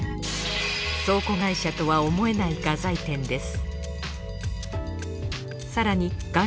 倉庫会社とは思えない画材店です